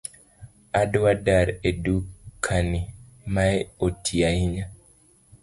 Adwa dar e duka ni , Mae otii ahinya